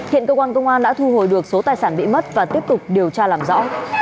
hiện cơ quan công an đã thu hồi được số tài sản bị mất và tiếp tục điều tra làm rõ